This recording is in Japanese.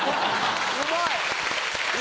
うまい！